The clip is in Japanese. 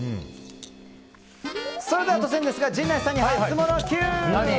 それでは、突然ですが陣内さんにハツモノＱ！